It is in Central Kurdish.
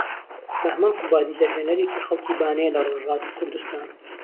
بەهمەن قوبادی دەرهێنەرێکی خەڵکی بانەیە لە رۆژهەڵاتی کوردوستان